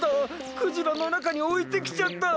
クジラのなかにおいてきちゃった！